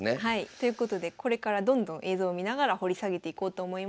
ということでこれからどんどん映像を見ながら掘り下げていこうと思います。